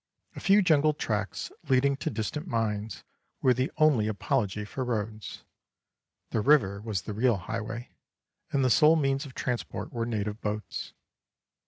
A few jungle tracks leading to distant mines were the only apology for roads; the river was the real highway, and the sole means of transport were native boats.